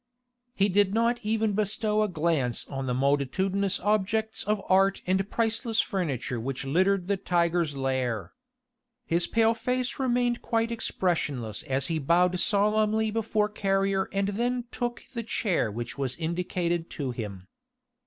He did not even bestow a glance on the multitudinous objects of art and the priceless furniture which littered the tiger's lair. His pale face remained quite expressionless as he bowed solemnly before Carrier and then took the chair which was indicated to him.